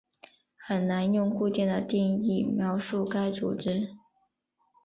很难用固定的定义描述该组织。